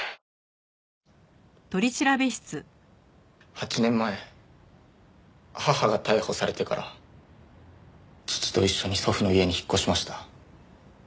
８年前母が逮捕されてから父と一緒に祖父の家に引っ越しました。